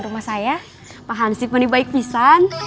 rumah saya pak hansi penibaik nisan